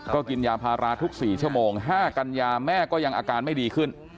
ก็กินยาพาราทุก๔ชั่วโมง๕กันยาแม่ก็ยังอาการไม่ดีขึ้น